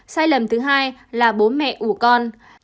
sai lầm thứ hai là bố mẹ ủ con